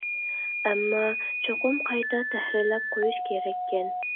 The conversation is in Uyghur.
ئەمما چوقۇم قايتا تەھرىرلەپ قويۇش كېرەككەن!